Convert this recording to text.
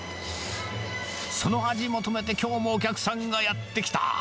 その味求めてきょうもお客さんがやって来た。